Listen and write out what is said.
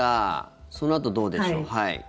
そのあとどうでしょう。